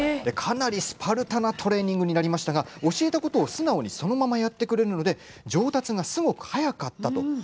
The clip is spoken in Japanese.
かなりスパルタなトレーニングになりましたが、教えたことを素直にそのままやってくれるので上達がすごく早かった。